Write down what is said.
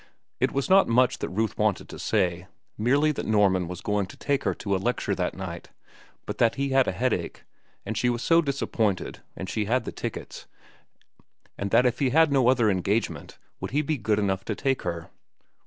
It was not much that Ruth wanted to say—merely that Norman had been going to take her to a lecture that night, but that he had a headache, and she was so disappointed, and she had the tickets, and that if he had no other engagement, would he be good enough to take her?